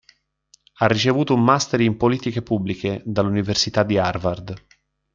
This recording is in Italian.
Ha ricevuto un master in Politiche Pubbliche dall'Università di Harvard.